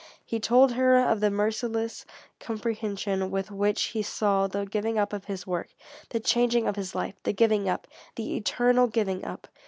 He told her of the merciless comprehension with which he saw the giving up of his work, the changing of his life, the giving up the eternal giving up.